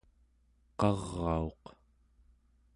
qarauq